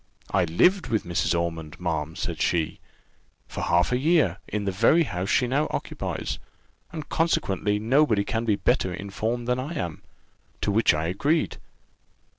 I lived with Mrs. Ormond, ma'am," says she, "'for half a year, in the very house she now occupies, and consequently nobody can be better informed than I am:' to which I agreed.